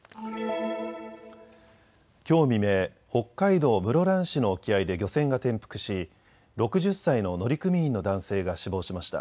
きょう未明、北海道室蘭市の沖合で漁船が転覆し６０歳の乗組員の男性が死亡しました。